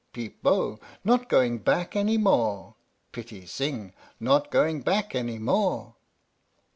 (Peep Bo): not going back any more! (Pitti Sing): not going back any more!